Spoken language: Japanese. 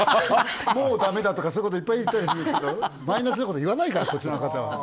もうだめだとか、そういうこといっぱい言ったりするんだけどマイナスなこと言わないからこちらの方は。